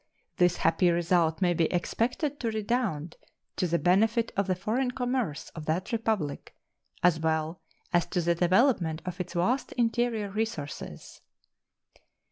This happy result may be expected to redound to the benefit of the foreign commerce of that Republic, as well as to the development of its vast interior resources.